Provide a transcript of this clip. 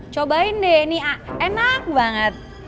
cobain deh ini enak banget